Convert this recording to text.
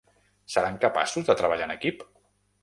Seran capaços de treballar en equip?